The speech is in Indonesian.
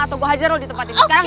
atau gue hajar lo di tempat lain